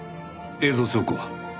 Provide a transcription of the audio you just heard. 映像証拠は？